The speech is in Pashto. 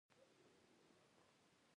هېڅ وخت به مې د مرستې لاس نه وای اوږد کړی.